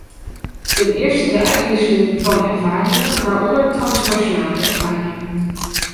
Ten eerste de uitwisseling van ervaringen, waaronder transnationale ervaringen.